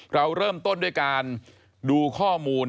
เราเริ่มต้นด้วยการดูข้อมูล